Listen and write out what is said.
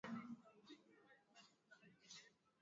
Barakoa ni pesa ngapi?